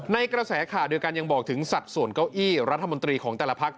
กระแสข่าวโดยการยังบอกถึงสัดส่วนเก้าอี้รัฐมนตรีของแต่ละพัก